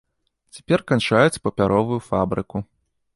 Цяпер канчаюць папяровую фабрыку.